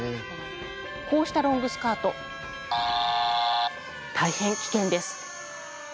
こうしたロングスカート大変、危険です。